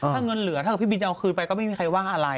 ถ้าเงินเหลือถ้ากับพี่บินจะเอาคืนไปก็ไม่มีใครว่าอะไร